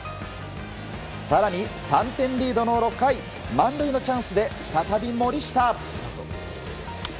更に、３点リードの６回満塁のチャンスで再び森下。